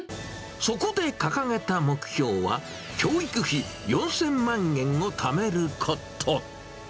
そこで掲げた目標は、教育費４０００万円をためること。